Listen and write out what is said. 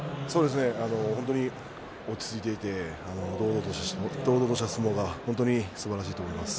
本当に落ち着いていて堂々とした相撲が本当にすばらしいと思います。